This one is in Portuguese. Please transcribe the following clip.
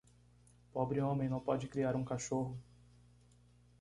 Pobre homem não pode criar um cachorro.